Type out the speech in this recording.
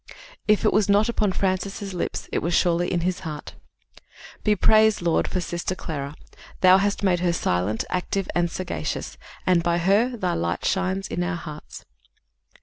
"If it was not upon Francis' lips, it was surely in his heart:" "Be praised, Lord, for Sister Clara; Thou hast made her silent, active, and sagacious, And, by her, thy light shines in our hearts."